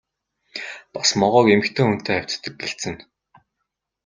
Бас могойг эмэгтэй хүнтэй хавьтдаг гэлцэнэ.